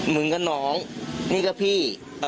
มึงกับน้องนี่ก็พี่